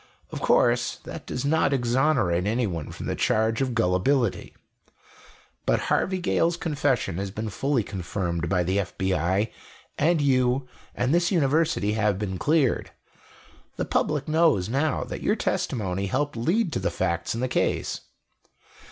"Of course, that does not exonerate anyone from the charge of gullibility. But Harvey Gale's confession has been fully confirmed by the FBI, and you and this University have been cleared. The public knows now that your testimony helped lead to the facts in the case.